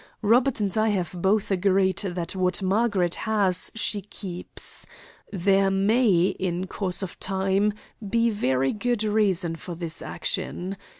Robert and I have both agreed that what Margaret has she keeps. There may, in course of time, be very good reason for this action.